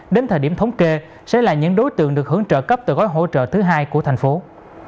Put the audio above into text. đến thời điểm thống kê sẽ là những đối tượng được hưởng trợ cấp từ gói hỗ trợ thứ hai của thành phố